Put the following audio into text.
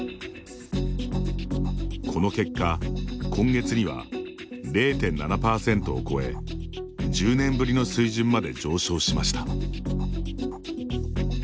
この結果、今月には０．７％を超え１０年ぶりの水準まで上昇しました。